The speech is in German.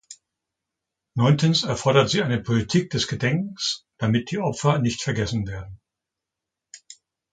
Neuntens erfordert sie eine Politik des Gedenkens, damit die Opfer nicht vergessen werden.